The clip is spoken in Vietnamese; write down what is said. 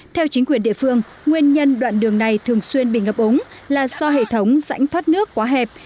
theo chính quyền địa phương nguyên nhân đoạn đường này thường xuyên bị ngập ống là do hệ thống rãnh thoát nước quá hẹp